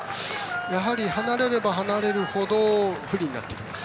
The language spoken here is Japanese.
やはり、離れれば離れるほど不利になってきます。